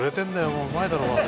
もううまいだろ。